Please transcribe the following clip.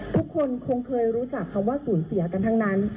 ทุกคนคงเคยรู้จักคำว่าสูญเสียกันทั้งนั้น